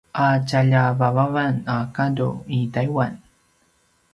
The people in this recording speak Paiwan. a tjalja vavavan a gadu i Taiwan